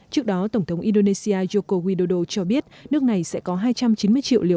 trước đó tổng thống indonesia joko widodo cho biết nước này sẽ có hai trăm chín mươi triệu liều